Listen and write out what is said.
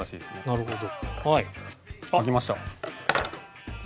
なるほど。